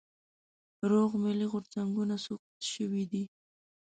روغ ملي غورځنګونه سقوط شوي دي.